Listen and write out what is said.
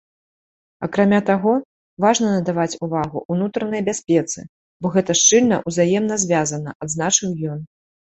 Акрамя таго, важна надаваць увагу ўнутранай бяспецы, бо гэта шчыльна ўзаемна звязана, адзначыў ён.